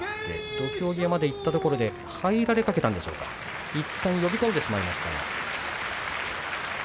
土俵際まで行ったところで入りかけたんでしょうかいったん呼び込んでしまいました。